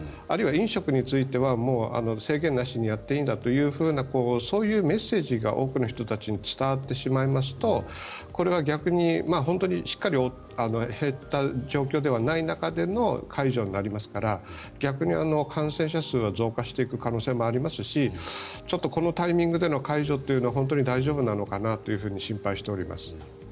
あるいは飲食についてはもう制限なしにやっていいんだというそういうメッセージが多くの人たちに伝わってしまいますとこれは逆に、本当にしっかり減った状況ではない中での解除になりますから逆に感染者数は増加していく可能性もありますしちょっとこのタイミングでの解除は本当に大丈夫なのかなと心配しております。